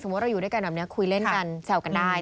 เราอยู่ด้วยกันแบบนี้คุยเล่นกันแซวกันได้